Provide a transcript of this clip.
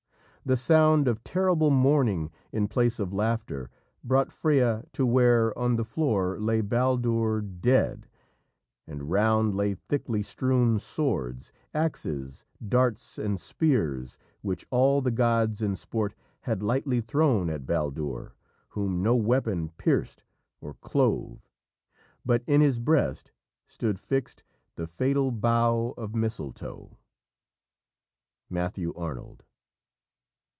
The sound of terrible mourning in place of laughter brought Freya to where "on the floor lay Baldur dead; and round lay thickly strewn swords, axes, darts, and spears, which all the gods in sport had lightly thrown at Baldur, whom no weapon pierced or clove; but in his breast stood fixed the fatal bough of mistletoe." Matthew Arnold.